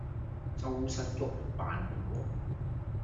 周身郁，扮忙碌